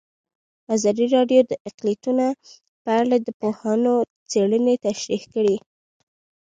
ازادي راډیو د اقلیتونه په اړه د پوهانو څېړنې تشریح کړې.